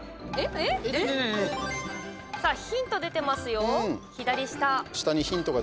ヒント、出てますよ、左下。